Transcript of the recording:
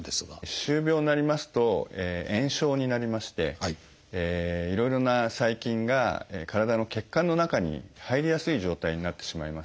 歯周病になりますと炎症になりましていろいろな細菌が体の血管の中に入りやすい状態になってしまいます。